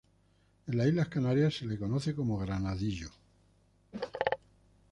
En las Islas Canarias se la conoce como granadillo.